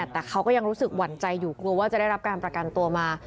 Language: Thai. แต่เขาก็ยังรู้สึกหวั่นใจอยู่กลัวว่าจะได้รับการประกันตัวมา